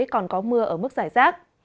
còn có mưa ở mức giải rác